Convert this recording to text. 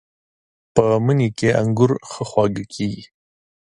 په مني کې انګور ښه خواږه کېږي.